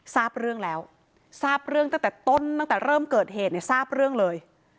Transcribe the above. ทราบเรื่องแล้วทราบเรื่องตั้งแต่ต้นตั้งแต่เริ่มเกิดเหตุเนี่ยทราบเรื่องเลย